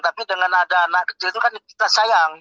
tapi dengan ada anak kecil itu kan kita sayang